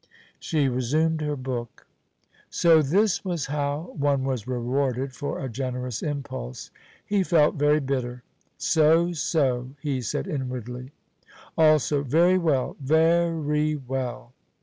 She resumed her book. So this was how one was rewarded for a generous impulse! He felt very bitter. "So, so," he said inwardly; also, "Very well, ve ry well."